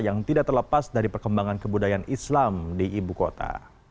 yang tidak terlepas dari perkembangan kebudayaan islam di ibu kota